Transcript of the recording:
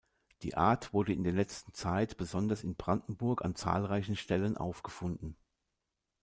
Die Art wurde in der letzten Zeit besonders in Brandenburg an zahlreichen Stellen aufgefunden.